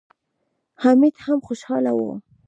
حميد هم خوشاله و.